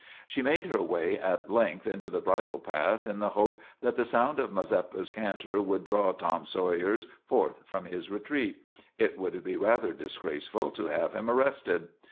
She made her way at length into the bridle path, in the hope that the sound of Mazeppa's canter would draw Tom Sawyer forth from his retreat. It would be rather disgraceful to have him arrested.